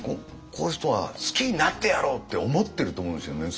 こういう人は好きになってやろうって思ってると思うんですよね。